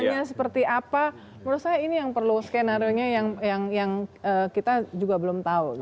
pertanyaannya seperti apa menurut saya ini yang perlu skenario nya yang kita juga belum tahu